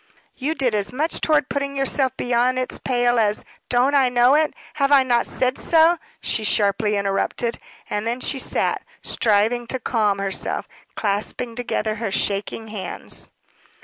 "You did as much toward putting yourself beyond its pale as " "Don't I know it? Have I not said so?" she sharply interrupted. And then she sat, striving to calm herself, clasping together her shaking hands.